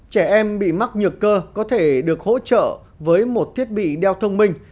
trẻ em bị mắc nhược cơ có thể được hỗ trợ với một thiết bị đeo thông minh